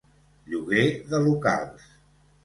Lloguer de locals.